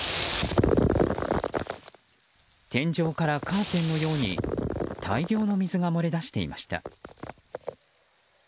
天井からカーテンのように大量の水が漏れだしていました。